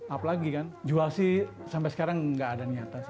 apalagi kan jual sih sampai sekarang nggak ada niatnya